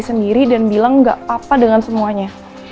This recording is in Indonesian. sendiri dan bilang gak apa apa dengan semuanya